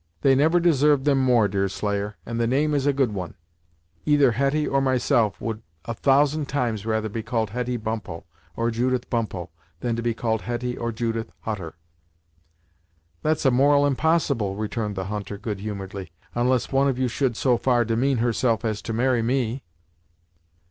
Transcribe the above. "They never deserved them more, Deerslayer, and the name is a good one; either Hetty, or myself, would a thousand times rather be called Hetty Bumppo, or Judith Bumppo, than to be called Hetty or Judith Hutter." "That's a moral impossible," returned the hunter, good humouredly, "onless one of you should so far demean herself as to marry me."